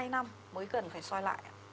hai năm mới cần phải soi lại